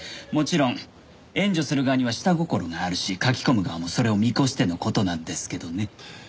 もちろん援助する側には下心があるし書き込む側もそれを見越しての事なんですけどね。